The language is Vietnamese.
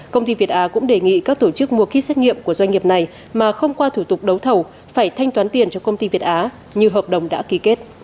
công ty việt á cũng đề nghị các tổ chức mua ký xét nghiệm của doanh nghiệp này mà không qua thủ tục đấu thầu phải thanh toán tiền cho công ty việt á như hợp đồng đã ký kết